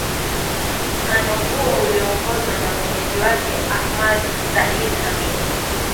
ano huo ulioongozwa na mwenyeji wake ahmad zahid hamid